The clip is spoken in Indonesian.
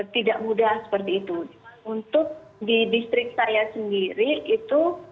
tidak mudah seperti itu untuk di distrik saya sendiri itu